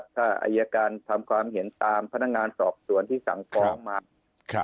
ถ้าอายการทำความเห็นตามพนักงานสอบสวนที่สั่งฟ้องมา